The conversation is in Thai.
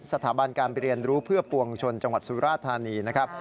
สถาบันการเรียนรู้เพื่อปวงชนจังหวัดสุราธานีนะครับ